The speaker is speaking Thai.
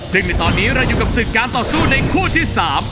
ซึ่งในตอนนี้เราอยู่กับศึกการต่อสู้ในคู่ที่๓